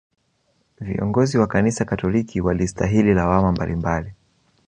Viongozi wa kanisa katoliki walistahili lawama mbalimbali